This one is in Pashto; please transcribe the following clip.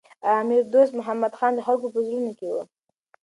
امیر دوست محمد خان د خلکو په زړونو کي و.